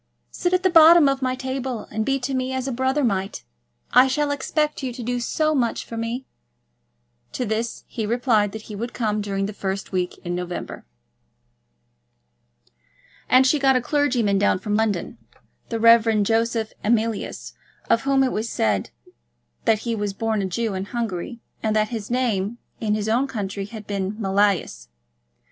Sit at the bottom of my table, and be to me as a brother might. I shall expect you to do so much for me." To this he had replied that he would come during the first week in November. And she got a clergyman down from London, the Rev. Joseph Emilius, of whom it was said that he was born a Jew in Hungary, and that his name in his own country had been Mealyus.